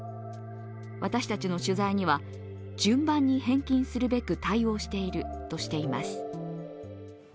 私たちの取材には、順番に返金するべく対応しているとしています。